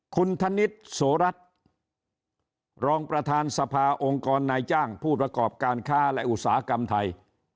คุณธนิษฐ์โสรัตน์รองประธานสภาองค์กรนายจ้างผู้ประกอบการค้าและอุตสาหกรรมไทย